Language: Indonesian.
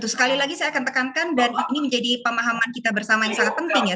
sekali lagi saya akan tekankan dan ini menjadi pemahaman kita bersama yang sangat penting ya